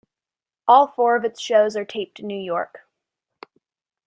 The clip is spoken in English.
All four of its shows are taped in New York.